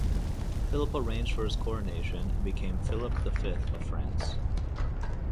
Philip arranged for his coronation, and became Philip the Fifth of France.